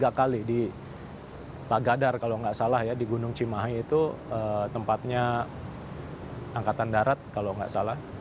tiga kali di pagadar kalau nggak salah ya di gunung cimahi itu tempatnya angkatan darat kalau nggak salah